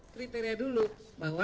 kriteria dulu bahwa